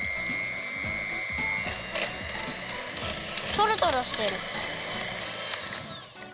トロトロしてる。